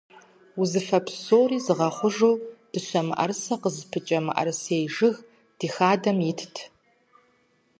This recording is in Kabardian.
Узыфэ псори зыгъэхъужу дыщэ мыӀэрысэ къызыпыкӀэ мыӀэрысей жыг ди хадэм итт.